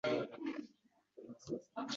Berar edi razallar.